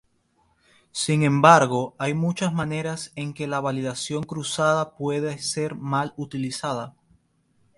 Sin embargo, hay muchas maneras en que la validación cruzada puede ser mal utilizada.